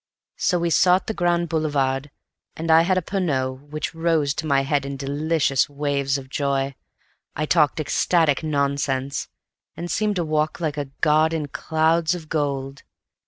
So we sought the Grand Boulevard, and I had a Pernod, which rose to my head in delicious waves of joy. I talked ecstatic nonsense, and seemed to walk like a god in clouds of gold.